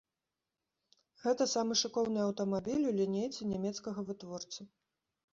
Гэта самы шыкоўны аўтамабіль у лінейцы нямецкага вытворцы.